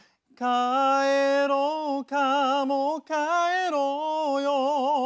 「帰ろうかもう帰ろうよ」